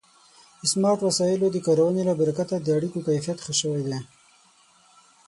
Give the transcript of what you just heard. د سمارټ وسایلو د کارونې له برکته د اړیکو کیفیت ښه شوی دی.